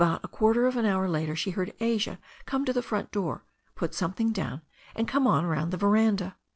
A quarter of an hour later she heard Asia come to the front door, put something down, and come on round the veranda.